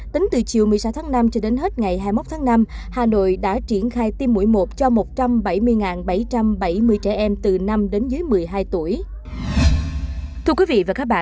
tính từ chiều một mươi sáu tháng năm cho đến hết ngày hai mươi một tháng năm hà nội đã triển khai tiêm mũi một cho một trăm bảy mươi bảy trăm bảy mươi trẻ em từ năm đến dưới một mươi hai tuổi